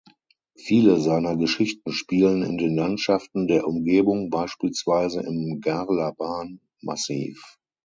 Viele seiner Geschichten spielen in den Landschaften der Umgebung, beispielsweise im Garlaban-Massiv.